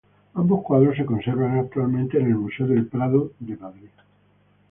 Ambos cuadros se conservan actualmente en el Museo del Prado de Madrid.